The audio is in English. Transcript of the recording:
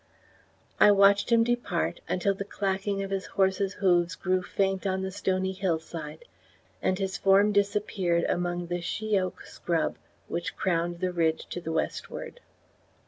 I watched him depart until the clacking of his horse's hoofs grew faint on the stony hillside and his form disappeared amid the she oak scrub which crowned the ridge to the westward.